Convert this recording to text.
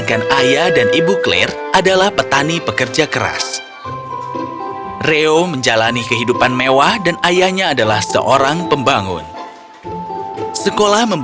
kau tidak menemuiku sepulang sekolah